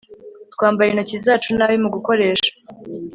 twambara intoki zacu nabi mugukoresha